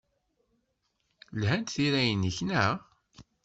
Lhant tira-nnek, naɣ?